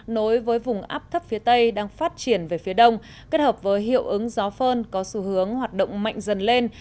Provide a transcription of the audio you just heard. nối với vùng áp thấp phía tây đang phát triển về phía đông kết hợp với hiệu ứng gió phơn có xu hướng hoạt động mạnh dần lên